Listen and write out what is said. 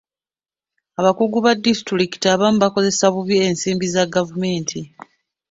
Abakungu ba disitulikiti abamu bakozesa bubi ensimbi za gavumenti.